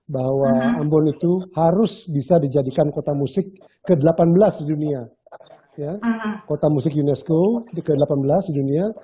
bahwa ambon itu harus dijeh berikan kota musik ke delapan belas dunia ya kota musik unesco ke delapan belas dunia